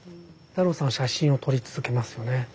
太郎さんは写真を撮り続けますよね。